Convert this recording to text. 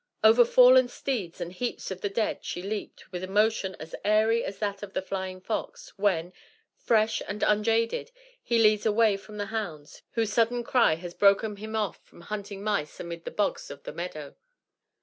Over fallen steeds and heaps of the dead she leaped with a motion as airy as that of the flying fox when, fresh and unjaded, he leads away from the hounds, whose sudden cry has broken him off from hunting mice amid the bogs of the meadow.